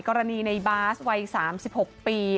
กรณีในบาสวัย๓๖ปี